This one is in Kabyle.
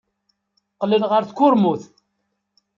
Qqlen ɣer tkurmut.